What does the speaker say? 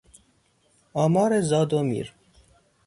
آمار زاد و میر